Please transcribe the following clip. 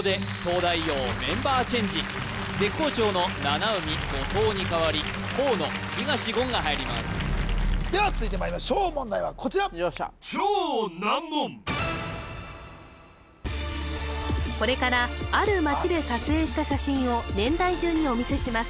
ここで絶好調の七海後藤に代わり河野東言が入りますでは続いてまいりましょう問題はこちらこれからある街で撮影した写真を年代順にお見せします